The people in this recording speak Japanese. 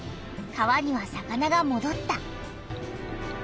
川には魚がもどった。